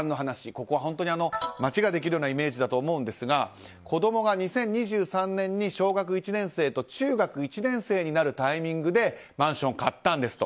ここ、本当に街ができるようなイメージだと思うんですが子供が２０２３年に小学１年生と中学１年生になるタイミングでマンションを買ったんですと。